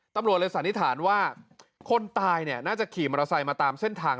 ตำรวจเลยสันนิษฐานว่าคนตายน่าจะขี่มอเตอร์ไซค์มาตามเส้นทาง